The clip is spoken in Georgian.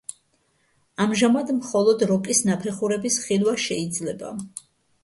ამჟამად მხოლოდ როკის ნაფეხურების ხილვა შეიძლება.